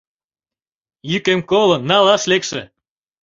Йӱкем колын, налаш лекше